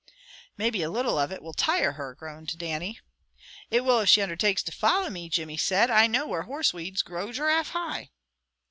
"Maybe a little of it will tire her," groaned Dannie. "It will if she undertakes to follow me," Jimmy said. "I know where horse weeds grow giraffe high."